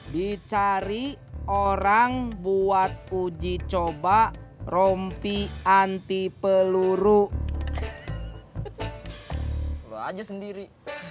dicari orang buat uji coba rompi anti peluru aja sendiri